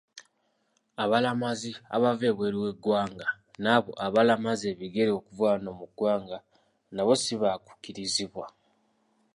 Abalamazi abava ebweru w’eggwanga n’abo abalamaza ebigere okuva wano mu ggwanga, nabo sibaakukkirizibwa.